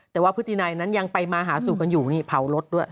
แต่ว่าพฤตินัยนั้นยังไปมาหาสู่กันอยู่นี่เผารถด้วย